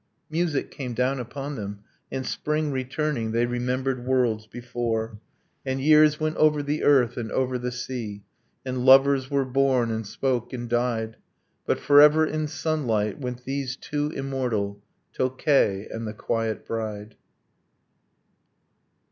Music came down upon them, and spring returning, They remembered worlds before, And years went over the earth, and over the sea, And lovers were born and spoke and died, But forever in sunlight went these two immortal, Tokkei and the quiet bride